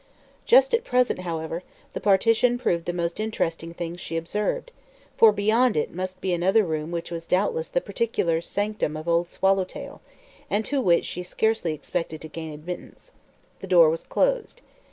Just at present, however, the partition proved the most interesting thing she observed, for beyond it must be another room which was doubtless the particular sanctum of Old Swallowtail and to which she scarcely expected to gain admittance. The door was closed.